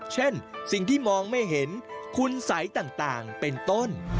เช่นสิ่งที่มองไม่เห็นคุณสัยต่างเป็นต้น